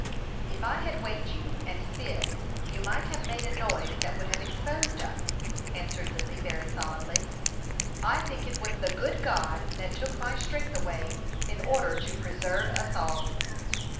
"If I had waked you and Cyd, you might have made a noise that would have exposed us," answered Lily, very solemnly. "I think it was the good God that took my strength away in order to preserve us all."